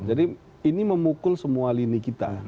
jadi ini memukul semua lini kita